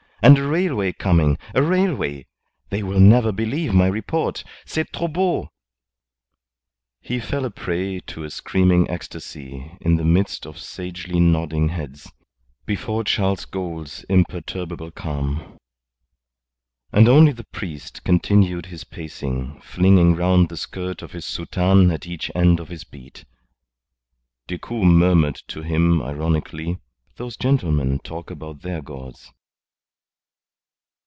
And a railway coming a railway! They will never believe my report. C'est trop beau." He fell a prey to a screaming ecstasy, in the midst of sagely nodding heads, before Charles Gould's imperturbable calm. And only the priest continued his pacing, flinging round the skirt of his soutane at each end of his beat. Decoud murmured to him ironically: "Those gentlemen talk about their gods."